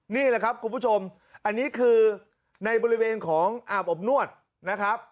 นี่แหละครับคุณผู้ชมอันนี้คือในบริเวณของอาบอบนวดนะครับ